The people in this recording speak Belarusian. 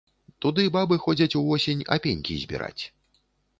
Туды бабы ходзяць увосень апенькі збіраць.